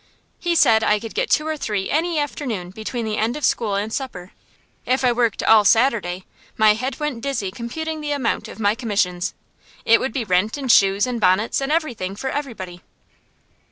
He said I could get two or three any afternoon between the end of school and supper. If I worked all Saturday my head went dizzy computing the amount of my commissions. It would be rent and shoes and bonnets and everything for everybody.